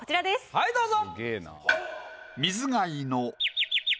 はいどうぞ！